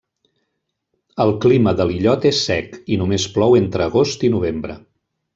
El clima de l'illot és sec, i només plou entre agost i novembre.